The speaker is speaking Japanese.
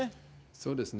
そうですね。